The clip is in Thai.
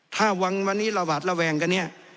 ถ้าวันนี้ระหวาดระแวงกันเนี่ย